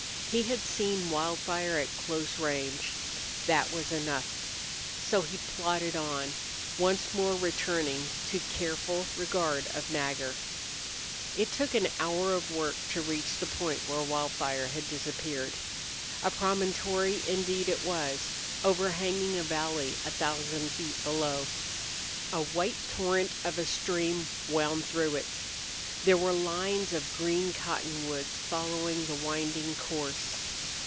He had seen Wildfire at close range. That was enough. So he plodded on, once more returning to careful regard of Nagger. It took an hour of work to reach the point where Wildfire had disappeared. A promontory indeed it was, overhanging a valley a thousand feet below. A white torrent of a stream wound through it. There were lines of green cottonwoods following the winding course.